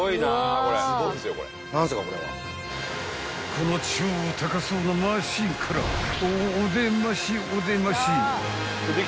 ［この超高そうなマシンからお出ましお出まし］